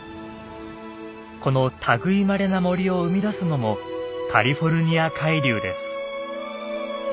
この類いまれな森を生み出すのもカリフォルニア海流です。